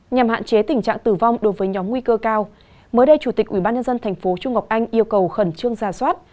nhằm hạn chế tình trạng tử vong đối với nhóm nguy cơ cao mới đây chủ tịch ủy ban nhân dân tp trung ngọc anh yêu cầu khẩn trương ra soát